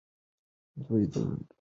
دوی ډالونه اخیستي وو.